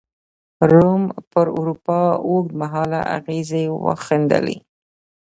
روم پر اروپا اوږد مهاله اغېزې وښندلې.